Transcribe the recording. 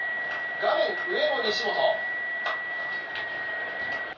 画面上の西本。